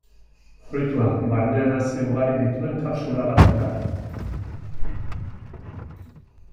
Fruitua barnean hazi ugari dituen kapsula bat da.